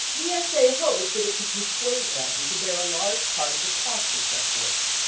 VSA hoped that it could persuade AMPI to bear a large part of the cost of such work.